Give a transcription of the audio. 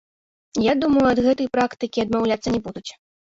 Я думаю, ад гэтай практыкі адмаўляцца не будуць.